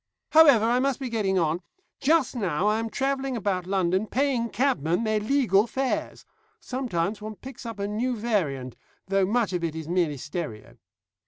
"However, I must be getting on. Just now I am travelling about London paying cabmen their legal fares. Sometimes one picks up a new variant, though much of it is merely stereo."